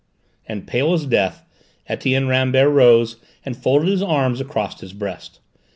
And pale as death Etienne Rambert rose and folded his arms across his breast.